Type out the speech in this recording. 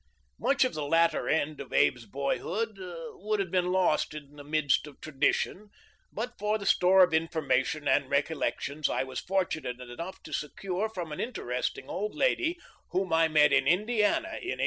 Much of the latter end of Abe's boyhood would' have been lost in the midst of tradition but for the store of information and recollections I was fortu nate enough to secure from an interesting old lady whom I met in Indiana in 1865.